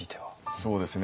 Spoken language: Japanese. そうですね。